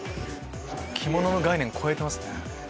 着物の概念超えてますね。